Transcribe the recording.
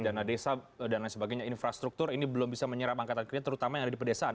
dana desa dan lain sebagainya infrastruktur ini belum bisa menyerap angkatan kerja terutama yang ada di pedesaan